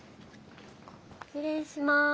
失礼します。